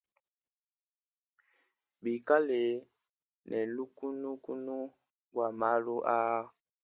Bikale ne lukunukunu bua malu aa.